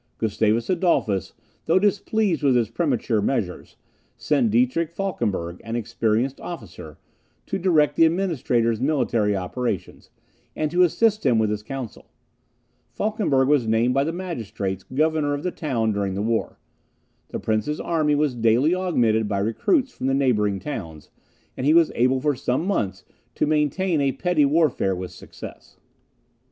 Gustavus Adolphus, though displeased with his premature measures, sent Dietrich Falkenberg, an experienced officer, to direct the Administrator's military operations, and to assist him with his counsel. Falkenberg was named by the magistrates governor of the town during the war. The Prince's army was daily augmented by recruits from the neighbouring towns; and he was able for some months to maintain a petty warfare with success.